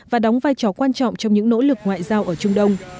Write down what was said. và đóng vai trò quan trọng trong những nỗ lực ngoại giao ở trung đông